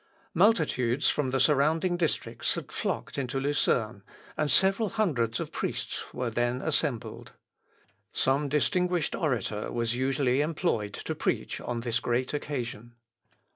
Multitudes from the surrounding districts had flocked into Lucerne, and several hundreds of priests were then assembled. Some distinguished orator was usually employed to preach on this great occasion.